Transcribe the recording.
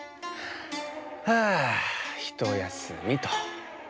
はあひとやすみと。